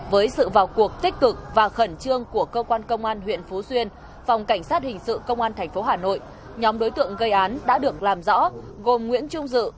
với sự vào cuộc tích cực và khẩn trương của cơ quan công an huyện phú xuyên phòng cảnh sát hình sự công an tp hà nội nhóm đối tượng gây án đã được làm rõ gồm nguyễn trung dự